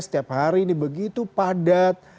setiap hari ini begitu padat